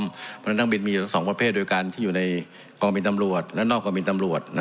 เพราะฉะนั้นนักบินมีอยู่๒ประเภทด้วยกันที่อยู่ในกองบินตำรวจและนอกกองบินตำรวจ